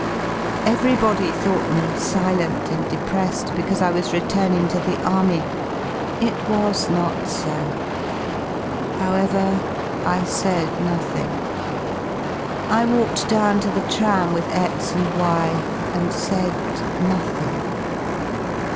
Everybody thought me silent "1 and depressed because I was returning to the Army. It J was not so. However, I said nothing. I walked down to the tram with X and Y , and said nothing.